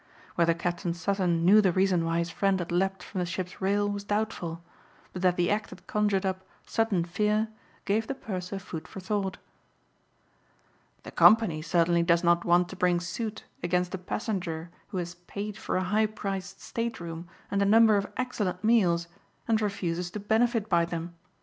Whether Captain Sutton knew the reason why his friend had leapt from the ship's rail was doubtful; but that the act had conjured up sudden fear gave the purser food for thought. "The company certainly does not want to bring suit against a passenger who has paid for a high priced state room and a number of excellent meals and refuses to benefit by them.